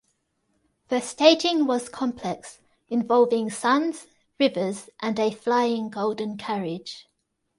The staging was complex, involving suns, rivers, and a flying golden carriage.